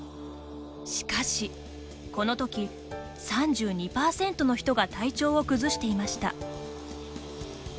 しかし、この時、３２％の人が体調を崩していました。